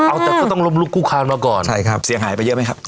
เอาแต่ก็ต้องลุกลูกค้ามาก่อนเสียงหายไปเยอะไหมครับ